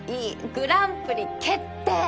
グランプリ決定！